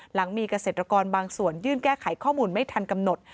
หลังมีเกษตรกรบางส่วนยื่นแก้ไขข้อมูลไม่ทันกำหนด